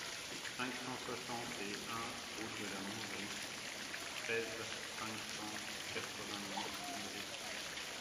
cinq cent soixante et un route de la Mongerie, seize, cinq cent quatre-vingt-dix, Brie